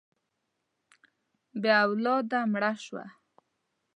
بې اولاده مړه شوه.